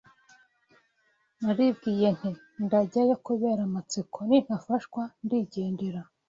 " Naribwiye nti ndajyayo kubera amatsiko, nintafashwa ndigendera.